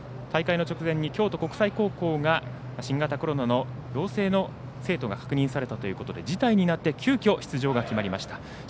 大会の直前に京都国際高校が新型コロナの陽性の生徒が確認されたということで急きょ出場が決まりました。